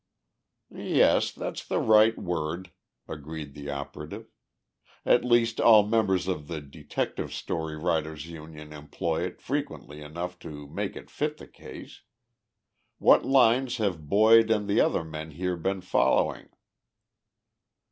"Yes, that's the right word," agreed the operative. "At least all members of the Detective Story Writers' Union employ it frequently enough to make it fit the case. What lines have Boyd and the other men here been following?"